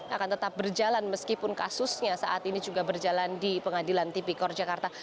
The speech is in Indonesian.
akan tetap berjalan meskipun kasusnya saat ini juga berjalan di pengadilan tipikor jakarta